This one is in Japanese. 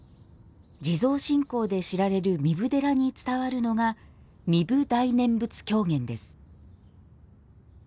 地蔵信仰で知られる壬生寺に伝わるのが、壬生大念仏狂言です。